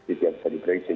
tidak bisa diprediksi